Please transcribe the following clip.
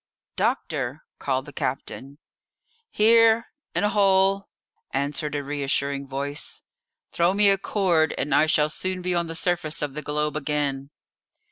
"Doctor!" called the captain. "Here, in a hole," answered a reassuring voice; "throw me a cord, and I shall soon be on the surface of the globe again."